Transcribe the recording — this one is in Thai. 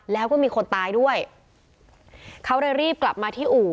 แล้วก็มีคนตายด้วยเขาเลยรีบกลับมาที่อู่